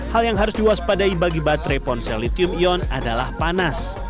hal yang harus diwaspadai bagi baterai ponsel lithium ion adalah panas